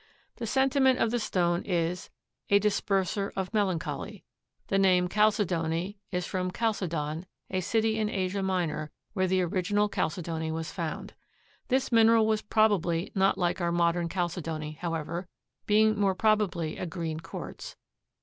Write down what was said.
The sentiment of the stone is: "A disperser of melancholy." The name chalcedony is from Chalcedon, a city in Asia Minor, where the original chalcedony was found. This mineral was probably not like our modern chalcedony, however, being more probably a green quartz.